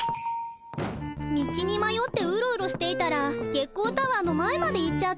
道にまよってウロウロしていたら月光タワーの前まで行っちゃった。